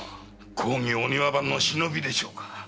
公儀お庭番の忍びでしょうか。